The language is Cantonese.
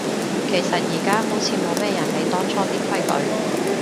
其實而家好似冇咩人理當初啲規矩